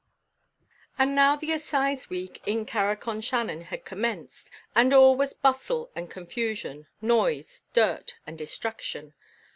And now the assize week in Carrick on Shannon had commenced, and all was bustle and confusion, noise, dirt, and distraction.